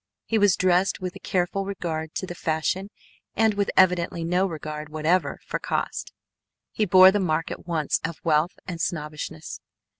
He was dressed with a careful regard to the fashion and with evidently no regard whatever for cost. He bore the mark at once of wealth and snobbishness.